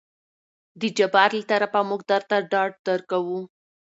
د جبار له طرفه موږ درته ډاډ درکو.